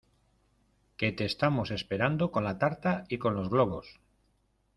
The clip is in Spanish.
que te estamos esperando con la tarta y con los globos.